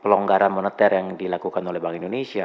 pelonggaran moneter yang dilakukan oleh bank indonesia